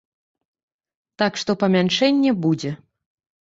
Так што, памяншэнне будзе.